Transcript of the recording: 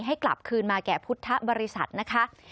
ให้กลับคืนมาแก่พุทธบริษัทนะคะ